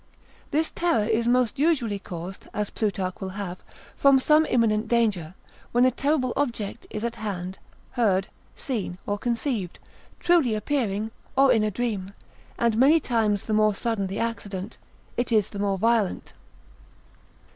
This terror is most usually caused, as Plutarch will have, from some imminent danger, when a terrible object is at hand, heard, seen, or conceived, truly appearing, or in a dream: and many times the more sudden the accident, it is the more violent.